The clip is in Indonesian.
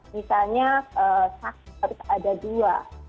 misalnya saksi harus ada dua